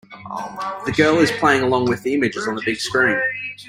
The girl is playing along with the images on the big screen.